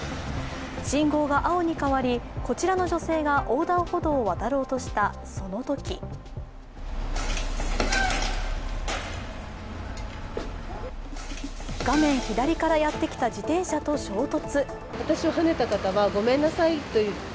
信号が青に変わり、こちらの女性が横断歩道を渡ろうとしたそのとき画面左からやってきた自転車と衝突。